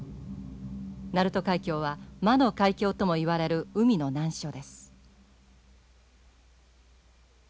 鳴門海峡は魔の海峡とも言われる海の難所です。